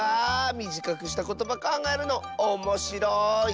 みじかくしたことばかんがえるのおもしろい。